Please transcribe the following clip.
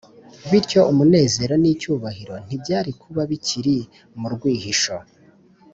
. Bityo umunezero n’icyubahiro ntibyari kuba bikiri mu rwihisho